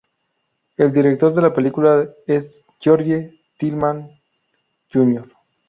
El director de la película es George Tillman Jr.